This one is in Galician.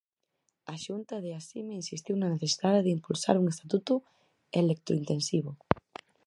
A xunta de Asime insistiu na necesidade de impulsar un estatuto electrointensivo.